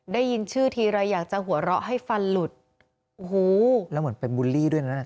ได้ยินชื่อทีไรอยากจะหัวเราะให้ฟันหลุดโอ้โหแล้วเหมือนเป็นบูลลี่ด้วยนะ